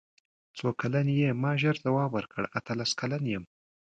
څو کلن یې ما ژر ځواب ورکړ اتلس کلن یم.